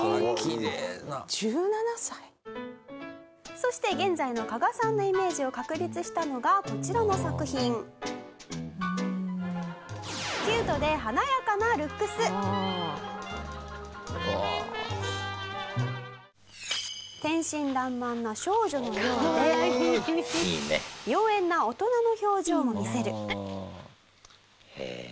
「そして現在の加賀さんのイメージを確立したのがこちらの作品」「キュートで華やかなルックス」「うわあ」「天真爛漫な少女のようで」「妖艶な大人の表情も見せる」